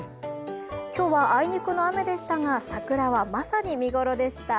今日はあいにくの雨でしたが、桜はまさに見頃でした。